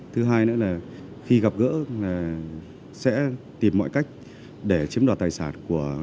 thứ hai nữa là khi gặp gỡ sẽ tìm mọi cách để chiếm đoạt tài sản